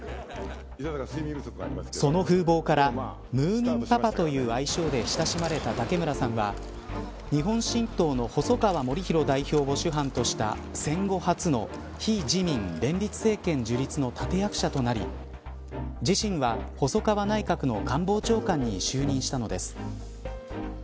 その風貌からムーミンパパという愛称で親しまれた武村さんは日本新党の細川護熙代表を首班とした戦後初の、非自民連立政権の立て役者となり自信は、細川内閣の官房長官に就任したのです。